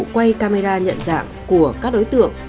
quay camera nhận dạng của các đối tượng